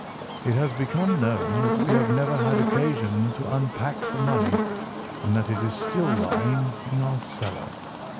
It has become known that we have never had occasion to unpack the money, and that it is still lying in our cellar.